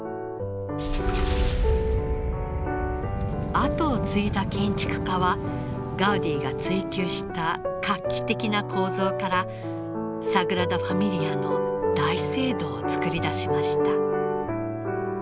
あとを継いだ建築家はガウディが追究した画期的な構造からサグラダ・ファミリアの大聖堂を造り出しました。